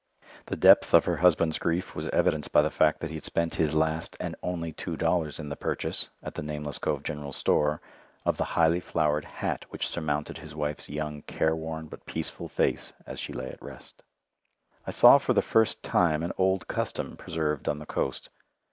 The depth of her husband's grief was evidenced by the fact that he had spent his last and only two dollars in the purchase, at the Nameless Cove general store, of the highly flowered hat which surmounted his wife's young careworn but peaceful face as she lay at rest. I saw for the first time an old custom preserved on the coast.